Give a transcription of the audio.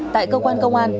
tại cơ quan công an